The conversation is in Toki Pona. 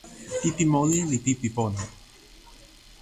pipi moli li pipi pona.